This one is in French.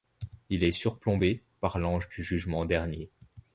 Il est surplombé par l'ange du Jugement Dernier.